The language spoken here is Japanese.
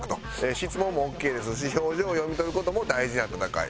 質問もオーケーですし表情を読み取る事も大事な戦い。